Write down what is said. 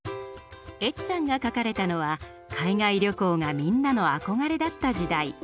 エッちゃんが描かれたのは海外旅行がみんなの憧れだった時代。